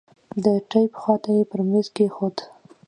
د ټېپ خوا ته يې پر ميز کښېښود.